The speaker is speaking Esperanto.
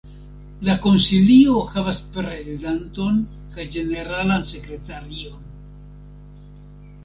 La Konsilio havas prezidanton kaj ĝeneralan sekretarion.